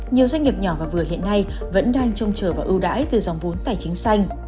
nhiều doanh nghiệp nhỏ và vừa hiện nay vẫn đang trông chờ vào ưu đãi từ dòng vốn tài chính xanh